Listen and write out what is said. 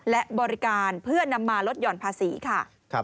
และบริการเพื่อนำมาลดหย่อนภาษีค่ะ